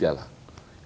itu adalah istilah